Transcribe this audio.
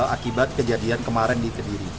akibat kejadian kemarin di kediri